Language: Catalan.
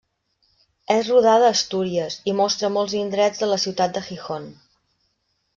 És rodada a Astúries i mostra molts indrets de la ciutat de Gijón.